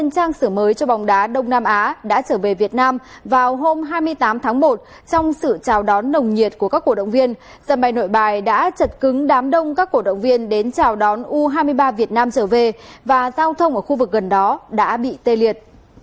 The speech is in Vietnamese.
trang kbs của hàn quốc viết huấn luyện viên của đội u hai mươi ba việt nam đã chật cứng đám đông các cổ động viên đến chào đón u hai mươi ba việt nam trở về và giao thông ở khu vực gần đó đã bị tê liệt